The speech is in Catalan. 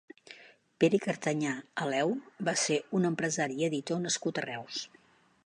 Pere Cartanyà Aleu va ser un empresari i editor nascut a Reus.